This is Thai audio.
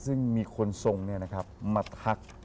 ซึ่งมีคนทรงมาทัก